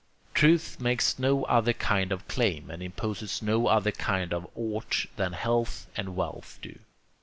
Truth makes no other kind of claim and imposes no other kind of ought than health and wealth do.